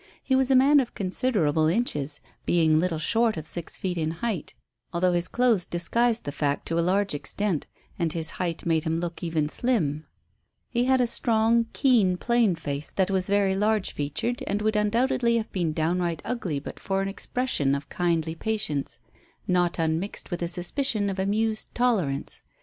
He was a man of considerable inches, being little short of six feet in height. He was powerfully built, although his clothes disguised the fact to a large extent, and his height made him look even slim. He had a strong, keen, plain face that was very large featured, and would undoubtedly have been downright ugly but for an expression of kindly patience, not unmixed with a suspicion of amused tolerance.